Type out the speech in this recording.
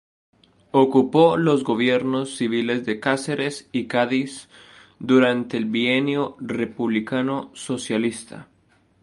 Ocupó los Gobiernos Civiles de Cáceres y Cádiz durante el bienio republicano-socialista.